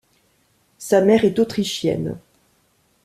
Sa mère est autrichienne.